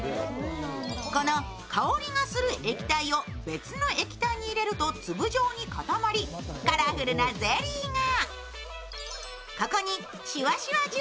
この香りがする液体を別の液体に入れると粒状に固まり、カラフルなゼリーが。